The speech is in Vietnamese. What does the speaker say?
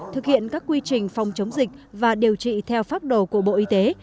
thực hiện các quy trình phòng chống dịch và điều trị theo pháp đồ của bộ y tế